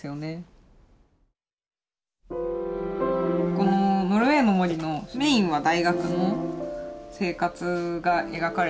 この「ノルウェイの森」のメインは大学の生活が描かれてるんですけど。